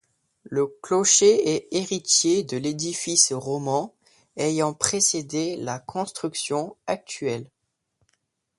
Le clocher est héritier de l'édifice roman ayant précédé la construction actuelle.